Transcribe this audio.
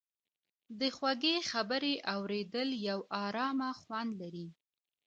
د خوږې خبرې اورېدل یو ارامه خوند لري.